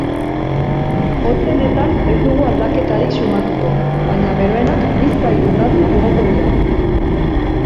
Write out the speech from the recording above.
Hotzenetan ez dugu aldaketarik sumatuko baina beroenak bizpahiru gradu igoko dira.